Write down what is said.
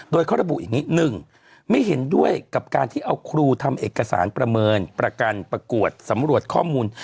โดยเขาระบุอย่างนี้๑ไม่เห็นด้วยกับการที่เอาครูทำเอกสารประเมินประกันประกวดสำรวจข้อมูล